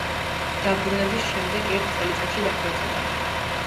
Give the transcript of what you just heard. დაბრუნების შემდეგ ერთ წელიწადში დაქორწინდა.